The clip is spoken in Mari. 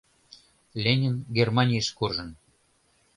— Ленин Германийыш куржын.